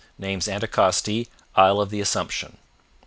Names Anticosti, Isle of the Assumption.